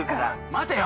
待てよ！